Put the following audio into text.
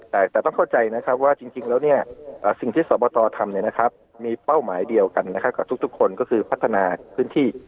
แต่แต่ต้องเข้าใจนะครับว่าจริงจริงแล้วเนี้ยอ่าสิ่งที่สอบบอตรอทำเนี้ยนะครับมีเป้าหมายเดียวกันนะครับกับทุกทุกคนก็คือพัฒนาพื้นที่